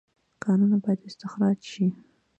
کانونه باید استخراج شي